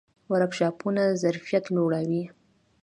ورکشاپونه ظرفیت لوړوي